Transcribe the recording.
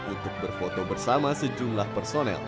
untuk berfoto bersama sejumlah personel